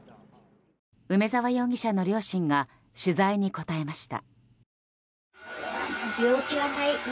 梅沢容疑者の両親が取材に答えました。